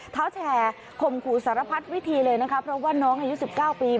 เท้าแชร์ข่มขู่สารพัดวิธีเลยนะคะเพราะว่าน้องอายุ๑๙ปี